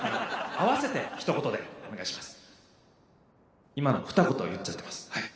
合わせてひと言でお願いします！